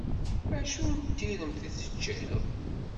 Acu n tiremt i teččiḍ?